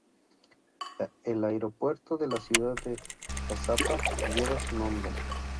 El aeropuerto de la ciudad de Caazapá lleva su nombre.